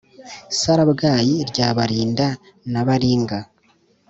sarabwayi rya barinda na baringa